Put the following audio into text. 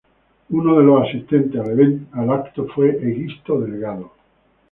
Uno de los asistentes al evento fue Egisto Delgado.